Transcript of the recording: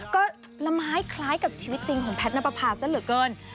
ก็ละไม้คล้ายกับชีวิตจริงของแพทย์นับประพาซะเหลือเกิน